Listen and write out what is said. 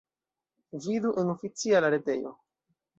Vidu en oficiala retejo.